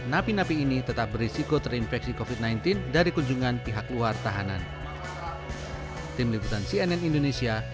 napi napi ini tetap berisiko terinfeksi covid sembilan belas dari kunjungan pihak luar tahanan